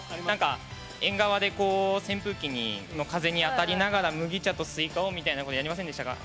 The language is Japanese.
縁側で扇風機の風に当たりながら麦茶とスイカをみたいなことやりませんでしたか？